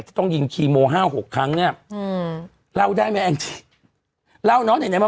ต้องยิงคีโมห้าหกครั้งเนี้ยอืมเล่าได้ไหมแองจี้เล่าเนอะไหนไหนมา